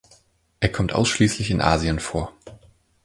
Er kommt ausschließlich in Asien vor.